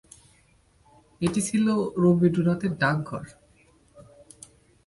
এটি ছিল রবীন্দ্রনাথের ‘ডাকঘর’।